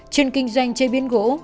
chuyên kinh doanh chơi biến gỗ